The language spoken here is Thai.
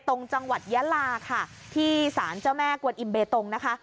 จังหวัดยะลาค่ะที่สารเจ้าแม่กวนอิมเบตงนะคะ